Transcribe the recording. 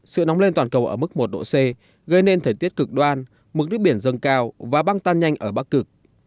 sự nóng lên toàn cầu ở mức một độ c gây nên thời tiết cực đoan mức nước biển dâng cao và băng tan nhanh ở bắc cực